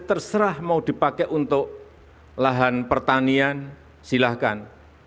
terserah mau dipakai untuk lahan pertanian silahkan